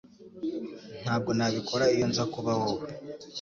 Ntabwo nabikora iyo nza kuba wowe